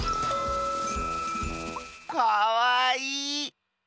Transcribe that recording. かわいい！